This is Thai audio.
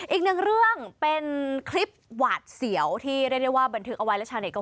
อีกหนึ่งเรื่องเป็นคลิปหวาดเสียวที่เรียกได้ว่าบันทึกเอาไว้แล้วชาวเน็ตก็